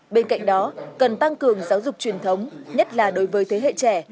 bên cạnh đó cần tăng cường giáo dục truyền thống nhất là đối với thế hệ trẻ